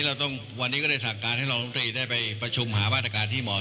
กล่าวที่ทำของพวกเรานี่จะแต่ยังเปลี่ยนบอก